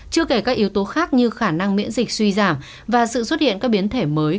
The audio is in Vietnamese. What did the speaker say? chưa kể các yếu tố khác như khả năng miễn dịch suy giảm và sự xuất hiện các biến thể mới